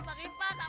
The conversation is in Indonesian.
jagain cepi ya